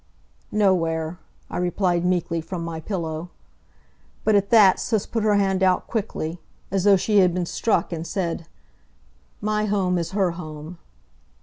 "Nowhere," I replied meekly, from my pillow. But at that Sis put her hand out quickly, as though she had been struck, and said: "My home is her home."